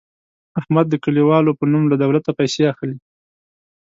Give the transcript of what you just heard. احمد د کلیوالو په نوم له دولته پیسې اخلي.